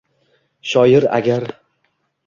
Shoir agar